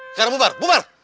sekarang bubar bubar